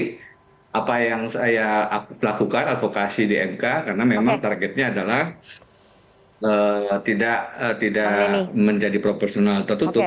jadi apa yang saya lakukan asokasi di mk karena memang targetnya adalah tidak menjadi proporsional tertutup